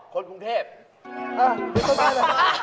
ครับจะต้องการงาน